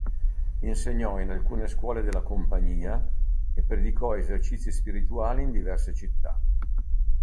Insegnò in alcune scuole della Compagnia e predicò esercizi spirituali in diverse città.